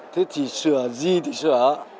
thế thì sửa gì thì sửa